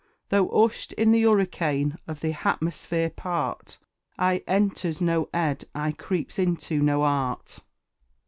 Though 'ushed in the 'Urricane, of the Hatmosphere part, I enters no 'Ed, I creeps into no 'Art.